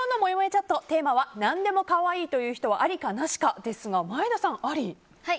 チャットテーマは何でも可愛いと言う人はありかなしかですが前田さん、あり？